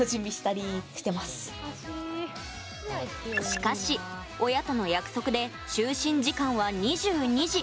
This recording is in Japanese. しかし、親との約束で就寝時間は２２時。